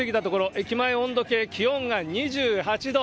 駅前温度計、気温が２８度。